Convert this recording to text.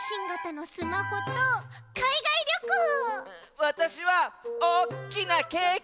わたしはおっきなケーキ！